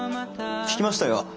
聞きましたよ。